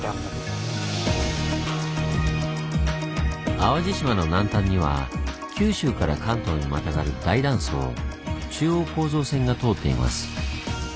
淡路島の南端には九州から関東にまたがる大断層「中央構造線」が通っています。